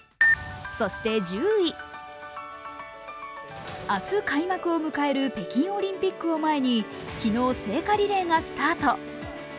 そして１０位、明日開幕を迎える北京オリンピックを前に昨日、聖火リレーがスタート。